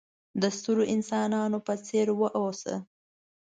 د سترو انسانانو په څېر وه اوسه!